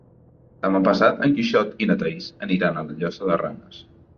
Demà passat en Quixot i na Thaís aniran a la Llosa de Ranes.